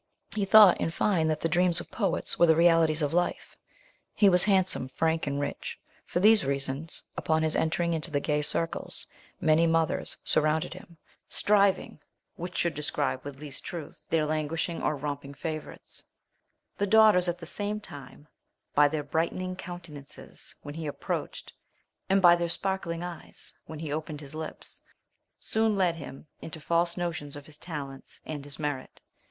He thought, in fine, that the dreams of poets were the realities of life. He was handsome, frank, and rich: for these reasons, upon his entering into the gay circles, many mothers surrounded him, striving which should describe with least truth their languishing or romping favourites: the daughters at the same time, by their brightening countenances when he approached, and by their sparkling eyes, when he opened his lips, soon led him into false notions of his talents and his merit.